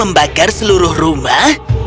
membakar seluruh rumah